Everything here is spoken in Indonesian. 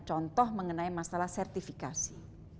contoh mengenai masalah sertifikasi